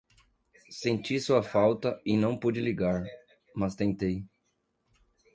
Senti sua falta e não pude ligar, mas tentei.